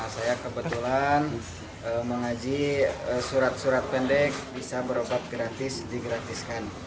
saya kebetulan mengaji surat surat pendek bisa berobat gratis digratiskan